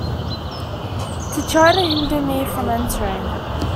To try to hinder me from entering.